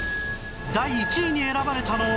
第１位に選ばれたのは